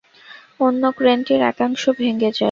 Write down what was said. অন্য ক্রেনটির একাংশ ভেঙে যায়।